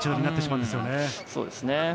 そうですね。